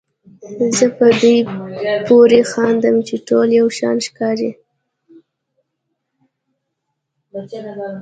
زه په دوی پورې خاندم چې ټول یو شان ښکاري.